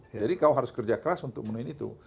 jadi kau harus kerja keras untuk menuhin itu